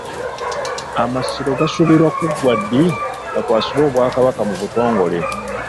Amasiro gasuubirwa kuggwa ddi gakwasibwe Obwakabaka mu butongole?